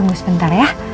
tunggu sebentar ya